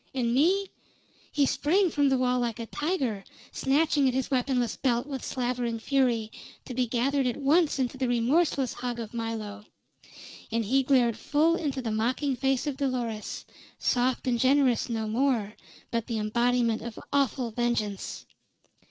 And me " He sprang from the wall like a tiger, snatching at his weaponless belt with slavering fury, to be gathered at once into the remorseless hug of Milo. And he glared full into the mocking face of Dolores soft and generous no more, but the embodiment of awful vengeance.